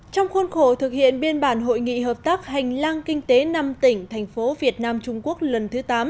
trong khuôn khổ thực hiện biên bản hội nghị hợp tác hành lang kinh tế năm tỉnh thành phố việt nam trung quốc lần thứ tám